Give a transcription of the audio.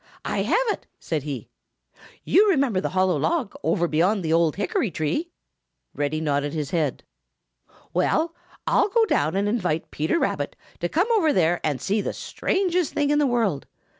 "I have it!" said he. "You remember the hollow log over beyond the old hickory tree?" Reddy nodded his head. "Well, I'll go down and invite Peter Rabbit to come over there and see the strangest thing in the world.